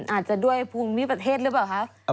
อาจจะด้วยภูมิประเทศหรือเปล่าคะ